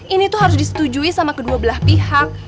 ini tuh harus disetujui sama kedua belah pihak